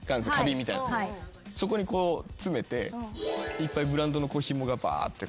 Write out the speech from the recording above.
そこに詰めていっぱいブランドのひもがぶわって。